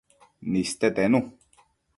niste tenu